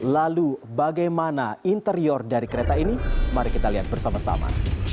lalu bagaimana interior dari kereta ini mari kita lihat bersama sama